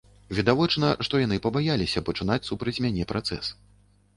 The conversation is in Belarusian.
Відавочна, што яны пабаяліся пачынаць супраць мяне працэс.